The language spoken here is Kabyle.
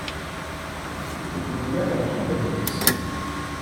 Yella iḥemmel-itt.